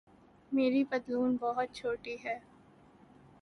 میری پتلون بہت چھوٹی ہے